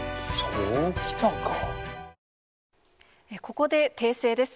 ここで訂正です。